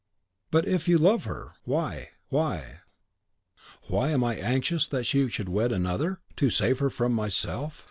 "But if you love her, why why " "Why am I anxious that she should wed another? to save her from myself!